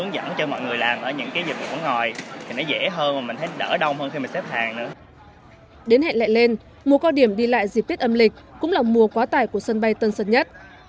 đến hẹn lại lên mùa cao điểm đi lại dịp tết âm lịch cũng là mùa quá tải của sân bay tân sơn nhất